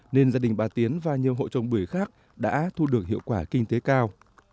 nên gia đình bà tiến và nhiều hộ trồng bưởi khác đã thu được hiệu quả kinh tế cao